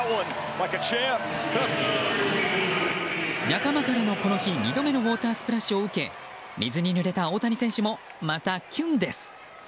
仲間からのこの日２度目のウォータースプラッシュを受け水にぬれた大谷選手もまたキュンです。